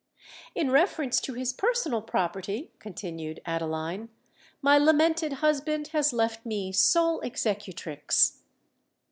"In reference to his personal property," continued Adeline, "my lamented husband has left me sole executrix."